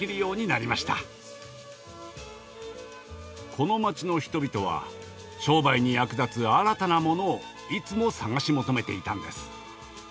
この街の人々は商売に役立つ新たなものをいつも探し求めていたんです。